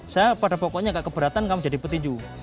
saya pada pokoknya gak keberatan kamu jadi petinju